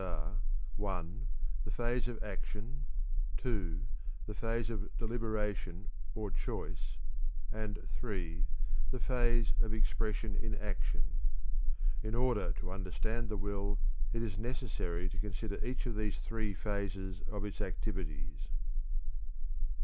(1) The phase of desire, (2) the phase of deliberation or choice, and (3) the phase of expression in action. In order to understand the will, it is necessary to consider each of these three phases of its activities.